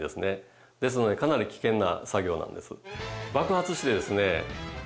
ですのでかなり危険な作業なんです。